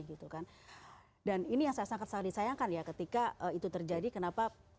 dan ini yang saya sangat disayangkan ya ketika itu terjadi kenapa